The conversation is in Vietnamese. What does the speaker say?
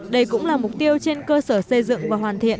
đây cũng là mục tiêu trên cơ sở xây dựng và hoàn thiện